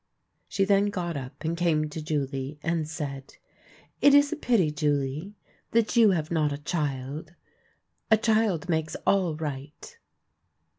She then got up and came to Julie, and said :" It is a pity, Julie, that you have not a child. A child makes all right."